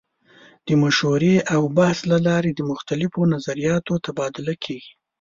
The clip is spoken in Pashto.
د مشورې او بحث له لارې د مختلفو نظریاتو تبادله کیږي.